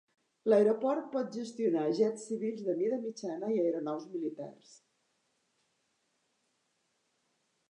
L'aeroport pot gestionar jets civils de mida mitjana i aeronaus militars.